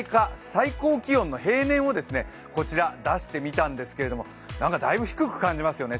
最高気温の平年をこちら出してみたんですけどだいぶ低く感じますよね。